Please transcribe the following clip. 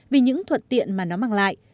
vì những thuận tiện mà nó mang lại